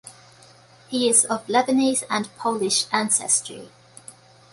He is of Lebanese and Polish ancestry.